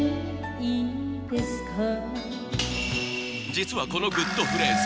実はこのグッとフレーズ